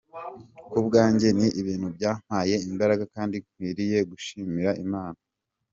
Ku bwanjye ni ibintu byampaye imbaraga kandi nkwiriye gushimira Imana.